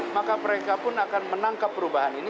maka mereka pun akan menangkap perubahan ini